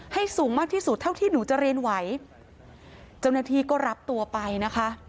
สูงมากที่สุดเท่าที่หนูจะเรียนไหวเจ้าหน้าที่ก็รับตัวไปนะคะ